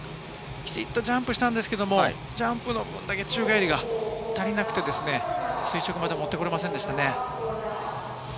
きちんとジャンプしたんですけれども、ジャンプの分だけ宙返りが足りなくて、垂直まで持ってこられませんでしたね。